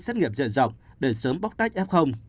tỉnh sẽ tiêm xét nghiệm dựa rộng để sớm bóc tách f